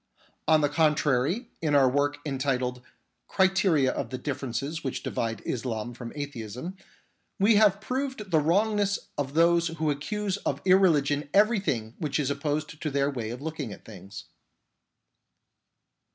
On the contrary, in our work entitled Criteria of the differences which divide Islam from Atheism, we have proved the wrongness of those who accuse of irreligion everything which is opposed to their way of looking at things.